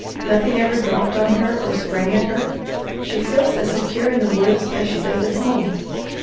Nothing ever dropped on her or sprang at her. She feels as secure in the woods as she does at home."